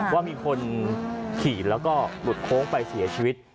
ว่ามีคนขี่แล้วก็หลุดโค้งไปเสียชีวิต